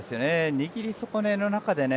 握り損ねの中でね。